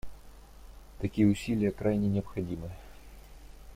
Такие усилия крайне необходимы.